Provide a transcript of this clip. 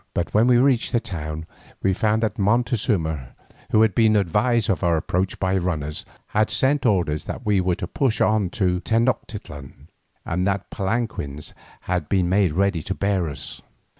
But when we reached the town we found that Montezuma, who had been advised of our approach by runners, had sent orders that we were to push on to Tenoctitlan, and that palanquins had been made ready to bear us.